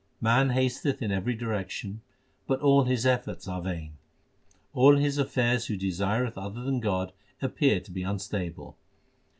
Man hasteth in every direction, but all his efforts are vain. All his affairs who desireth other than God appear to be unstable.